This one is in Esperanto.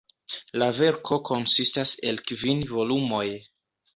La verko konsistas el kvin volumoj.